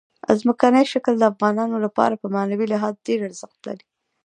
ځمکنی شکل د افغانانو لپاره په معنوي لحاظ ډېر ارزښت لري.